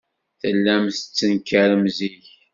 Tellam tettenkarem zik.